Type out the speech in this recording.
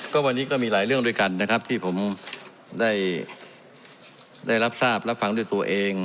ก็วันนี้ก็มีหลายเรื่องด้วยกันนะครับที่ผมได้รับทราบรับฟังด้วยตัวเอง